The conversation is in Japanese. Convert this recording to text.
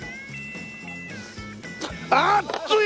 あっつい！！